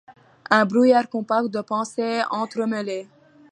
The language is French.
un brouillard compact de pensées entremêlées.